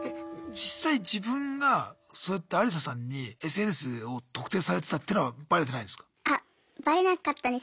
実際自分がそうやってアリサさんにＳＮＳを「特定」されてたっていうのはバレてないんすか？